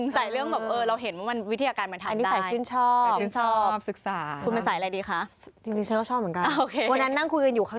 ใส่วิทยาคารครับสนุกดีครับครับ